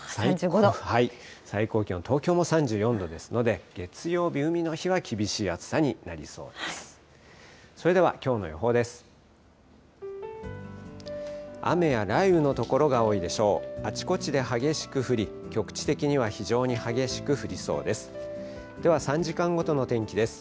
最高気温、東京も３４度ですので、月曜日、海の日は厳しい暑さになりそうです。